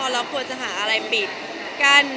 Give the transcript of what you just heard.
เราควรจะหาอะไรปิดกั้น